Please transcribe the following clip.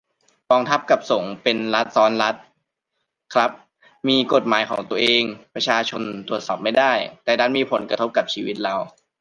กองทัพ กับ สงฆ์ เป็นรัฐซ้อนรัฐครับ มีกฎหมายของตัวเอง ประชาชนตรวจสอบไม่ได้ แต่ดันมีผลกระทบกับชีวิตเรา